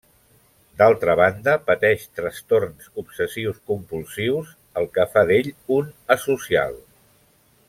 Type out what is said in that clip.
D'altra banda pateix trastorns obsessius compulsius, el que fa d'ell un asocial.